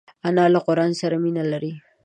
انا له قران سره مینه لري